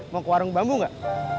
mau ke warung bambu nggak